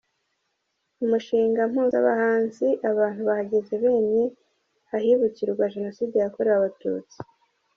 Umushinga mpuzabahanzi «Abantu bahagaze bemye» ahibukirwa Jenoside yakorewe Abatutsi